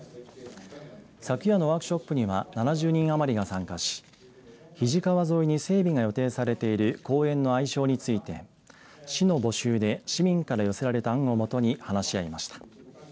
昨夜のワークショップには７０人余りが参加し肱川沿いに整備が予定されている公園の愛称について市の募集で市民から寄せられた案をもとに話し合いました。